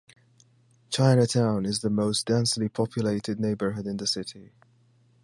Chinatown is the most densely populated neighborhood in the city.